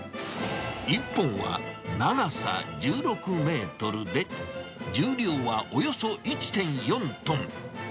１本は長さ１６メートルで、重量はおよそ１．４トン。